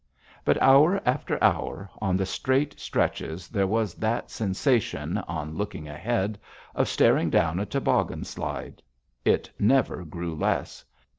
But hour after hour, on the straight stretches, there was that sensation, on looking ahead, of staring down a toboggan slide. It never grew less.